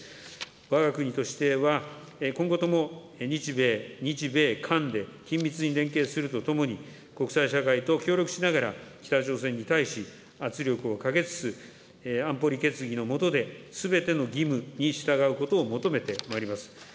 わが国としては、今後とも日米、日米韓で緊密に連携するとともに、国際社会と協力しながら、北朝鮮に対し、圧力をかけつつ、安保理決議の下ですべての義務に従うことを求めてまいります。